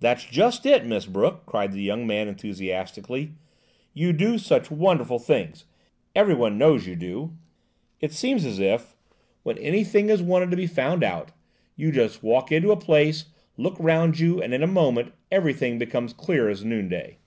"That's just it, Miss Brooke," cried the young man enthusiastically. "You do such wonderful things; everyone knows you do. It seems as if, when anything is wanted to be found out, you just walk into a place, look round you and, in a moment, everything becomes clear as noonday."